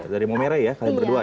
dari maomere ya kalian berdua ya